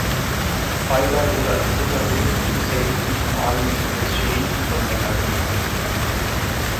Faisal wurde als dritter Sohn von Hussein ibn Ali des Scherifen von Mekka geboren.